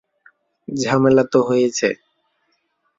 ঝামেলা তো হয়েছে।